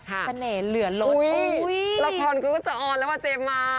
ค่ะอุ้ยรับผลก็จะอ่อนแล้วว่าเจมมา